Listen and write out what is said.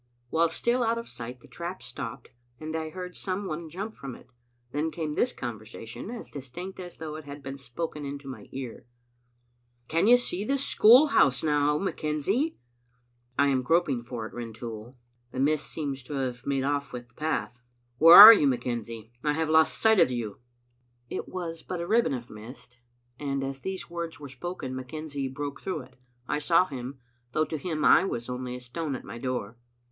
While still out of sight the trap stopped, and I heard some one jump from it. Then came this conversation, as distinct as though it had been spoken into my ear: "Can you see the school house now, McKenzie?" " I am groping for it, Rintoul. The mist seems to have made off with the path. " "Where are you, McKenzie? I have lost sight of you." Digitized by VjOOQ IC m Sbe Xittle Atnf6tet« It was but a ribbon of mist, and as these words were spoken McKenzie broke through it. I saw him, though to him I was only a stone at my door.